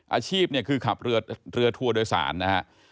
อาชีพเนี่ยคือขับเรือทัวร์โดยสารนะฮะ